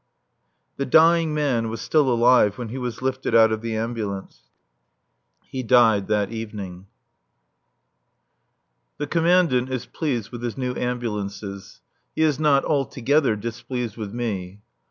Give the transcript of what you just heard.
The dying man was still alive when he was lifted out of the ambulance. He died that evening. The Commandant is pleased with his new ambulances. He is not altogether displeased with me.